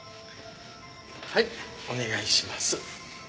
はいお願いします。